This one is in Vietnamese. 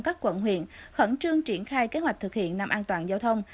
các quận huyện khẩn trương triển khai kế hoạch thực hiện năm an toàn giao thông